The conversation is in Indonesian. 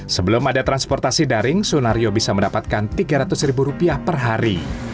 sebelum ada transportasi daring sunario bisa mendapatkan tiga ratus ribu rupiah per hari